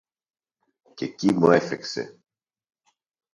Κι εκεί μου έφεξε!